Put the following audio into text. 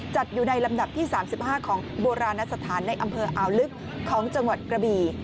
จัดอยู่ในลำดับที่๓๕ของโบราณสถานในอำเภออ่าวลึกของจังหวัดกระบี่